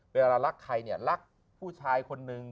เวลารักใครรักผู้ชายคนนึง